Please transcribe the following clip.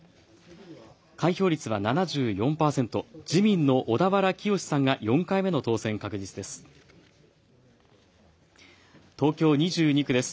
開票率は７４％、自民の小田原潔さんが４回目の当選確実です。